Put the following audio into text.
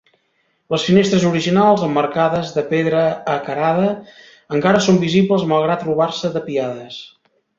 Les finestres originals, emmarcades de pedra acarada, encara són visibles malgrat trobar-se tapiades.